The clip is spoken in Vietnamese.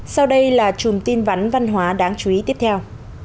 sau đây là chùm tin vắn văn hóa đáng chú ý tiếp theo